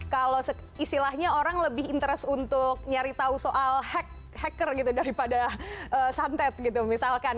kalau istilahnya orang lebih interest untuk nyari tahu soal hacker gitu daripada santet gitu misalkan